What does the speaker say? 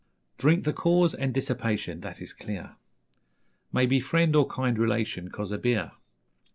Drink the cause, and dissipation, That is clear Maybe friend or kind relation Cause of beer.